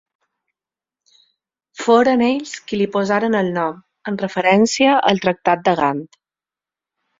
Foren ells qui li posaren el nom, en referència al Tractat de Gant.